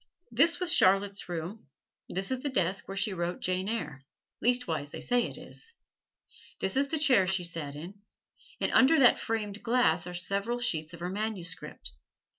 This was Charlotte's room; this is the desk where she wrote "Jane Eyre" leastwise they say it is. This is the chair she sat in, and under that framed glass are several sheets of her manuscript.